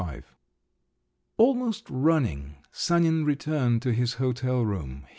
XXV Almost running, Sanin returned to his hotel room.